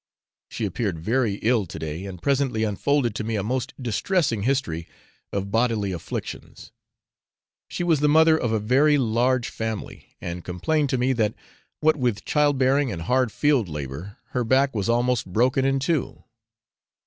She appeared very ill to day, and presently unfolded to me a most distressing history of bodily afflictions. She was the mother of a very large family, and complained to me that, what with child bearing and hard field labour, her back was almost broken in two.